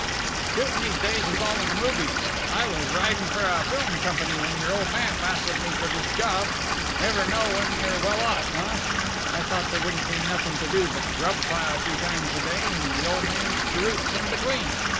"Shootin' these days is all in the movies. I was ridin' for a film company when your old man lassoed me for this job. Never know when you're well off huh? I thought there wouldn't be nothin' to do but grub pile three times a day and the old man's cheroots in between.